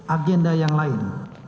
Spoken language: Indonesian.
agenda yang lain